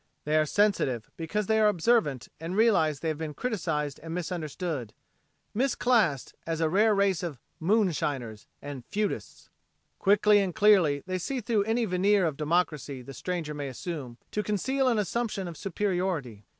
They are sensitive because they are observant and realize they have been criticized and misunderstood misclassed as a rare race of "moonshiners" and "feudists." Quickly and clearly they see through any veneer of democracy the stranger may assume, to conceal an assumption of superiority.